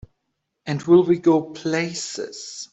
And will we go places!